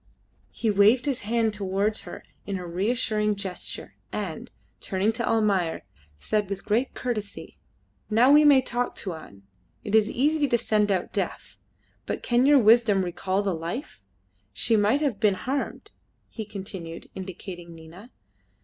He waved his hand towards her in a reassuring gesture, and, turning to Almayer, said with great courtesy "Now we may talk, Tuan. It is easy to send out death, but can your wisdom recall the life? She might have been harmed," he continued, indicating Nina.